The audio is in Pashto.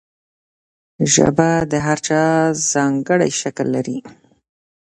ژبه د هر چا ځانګړی شکل لري.